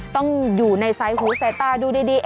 ต้องอยู่ในไซส์หูใส่ตาดูดี